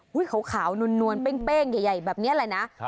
ขาวนวลเป้งใหญ่แบบนี้แหละนะ